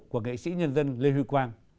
của nghệ sĩ nhân dân lê huy quang